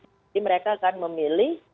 jadi mereka akan memilih